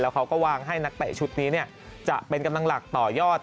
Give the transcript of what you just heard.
เขาก็วางให้นักเตะชุดนี้จะเป็นกำลังหลักต่อยอด